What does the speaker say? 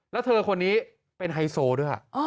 แล้วเธอคนนี้เป็นไฮโซด้วย